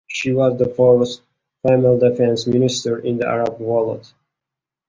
She was the first female defence minister in the Arab world.